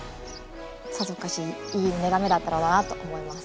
さぞかしいい眺めだったろうなと思います。